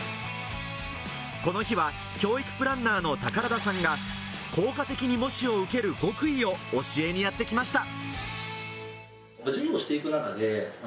この日は教育プランナーの宝田さんが効果的に模試を受ける極意を教えにやってきました。